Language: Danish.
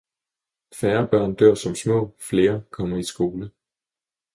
Færre børn dør som små. Flere kommer i skole.